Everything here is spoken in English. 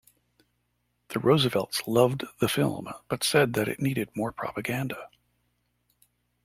The Roosevelts loved the film but said that it needed more propaganda.